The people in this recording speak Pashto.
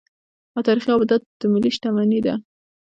تاریخي ابدات د ملت شتمني ده.